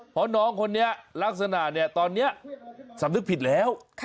เพราะน้องคนนี้ลักษณะเนี่ยตอนนี้สำนึกผิดแล้ว